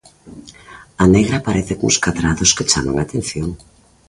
A negra aparece cuns cadrados que chaman a atención.